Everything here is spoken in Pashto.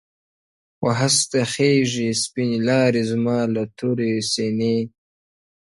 و هسک ته خېژي سپیني لاري زما له توري سینې,